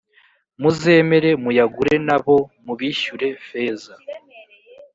muzemere muyagure na bo mubishyure feza.